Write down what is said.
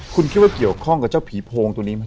คุณคิดว่าเกี่ยวข้องกับเจ้าผีโพงตัวนี้ไหม